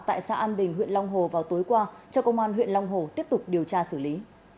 tại xã an bình huyện long hồ vào tối qua cho công an huyện long hồ tiếp tục điều tra xử lý